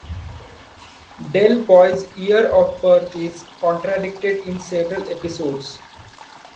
Del Boy's year of birth is contradicted in several episodes.